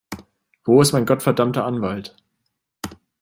Wo ist mein gottverdammter Anwalt?